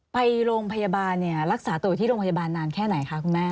ไปโรงพยาบาลรักษาตัวอยู่ที่โรงพยาบาลนานแค่ไหนคะคุณแม่